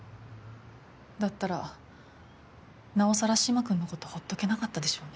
だったらなおさら嶋君のことほっとけなかったでしょうね。